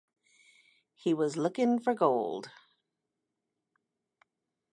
He was looking for gold.